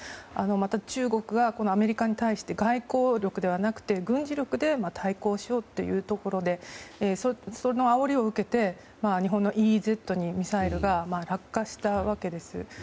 また中国がアメリカに対して外交力ではなくて軍事力で対抗しようというところでそのあおりを受けて日本のＥＥＺにミサイルが落下したわけです。